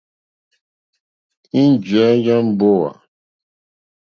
Ènjìyá yà mbówà.